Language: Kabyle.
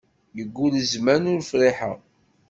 Yeggul zzman ur friḥeɣ.